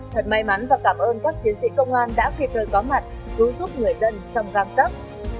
thật may mắn và cảm ơn các chiến sĩ công an đã kịp thời có mặt cứu giúp người dân trong găng tấp